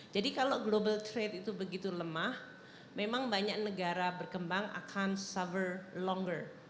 jadi kalau global trade itu begitu lemah memang banyak negara berkembang akan suffer longer